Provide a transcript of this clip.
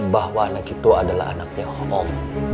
bahwa anak itu adalah anaknya homo